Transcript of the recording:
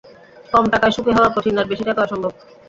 কম টাকায় সুখী হওয়া কঠিন, আর বেশি টাকায় অসম্ভব।